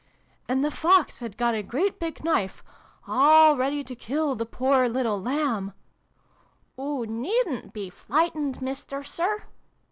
" And the Fox had got a great big knife all ready to kill the poor little Lamb " ("Oo needn't be flightened, Mister Sir!"